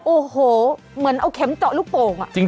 โอ้โหเหมือนเอาเข็มเจาะลูกโป่ง